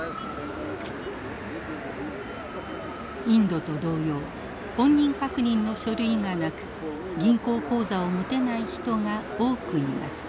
インドと同様本人確認の書類がなく銀行口座を持てない人が多くいます。